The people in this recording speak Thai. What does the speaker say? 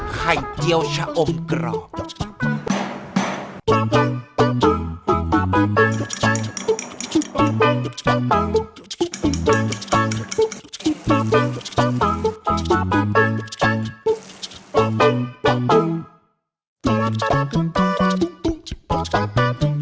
ไข่เจียวชะอมกรอบ